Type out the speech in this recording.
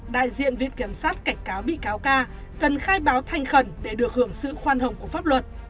đại diện viện kiểm sát cảnh cáo bị cáo ca cần khai báo thanh khẩn để được hưởng sự khoan hồng của pháp luật